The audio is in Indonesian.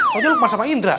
kau aja lukman sama indra